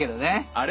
あれ？